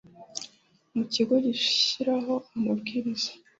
Mu kigo gishyiraho amabwiriza